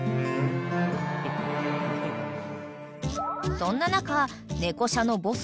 ［そんな中猫舎のボス